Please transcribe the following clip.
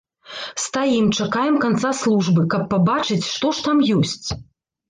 Стаім, чакаем канца службы, каб пабачыць, што ж там ёсць?